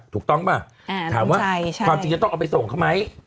ถูกต้องป่ะถามว่าความจริงจะต้องเอาไปส่งเขาไหม